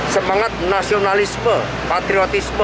semangat nasionalisme patriotisme